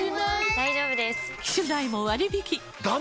大丈夫です！